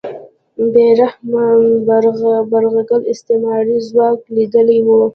بې رحمه یرغلګر استعماري ځواک لیدلی و